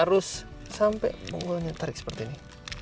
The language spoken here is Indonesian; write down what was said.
terus sampai bunga nya tarik seperti ini